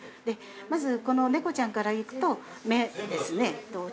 まずこの猫ちゃんからいくと目ですね。